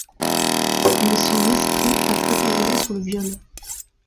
Mais son esprit a focalisé sur le viol.